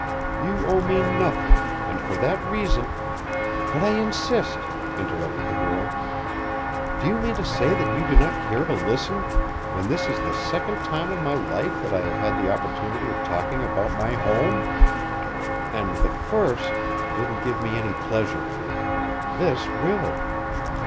You owe me nothing, and for that reason " "But I insist," interrupted the girl. "Do you mean to say that you do not care to listen, when this is the second time in my life that I have had the opportunity of talking about my home? And the first didn't give me any pleasure. This will."